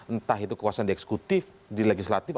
entah itu kekuasaan di eksekutif di legislatif